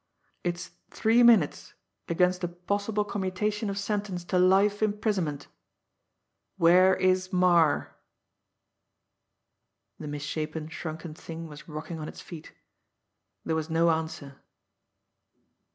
It's three minutes against a possible commutation of sentence to life imprisonment. Where is Marre?" The misshapen, shrunken thing was rocking on its feet. There was no answer.